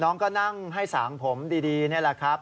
น้องก็นั่งให้สางผมดีนี่แหละครับ